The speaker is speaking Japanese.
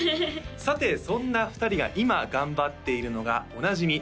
さてそんな２人が今頑張っているのがおなじみ